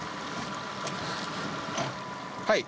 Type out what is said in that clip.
はい。